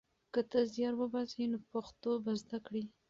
که ته زیار وباسې نو پښتو به زده کړې.